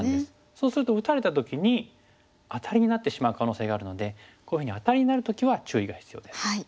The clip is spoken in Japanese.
そうすると打たれた時にアタリになってしまう可能性があるのでこういうふうにアタリになる時は注意が必要です。